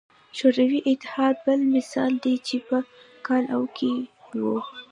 شوروي اتحاد بل مثال دی چې په کال او کې وو.